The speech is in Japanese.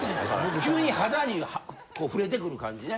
急に肌に触れてくる感じね。